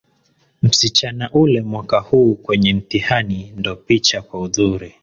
Msichana ule mwaka huu kwenye ntihani ndopicha kwaudhuri.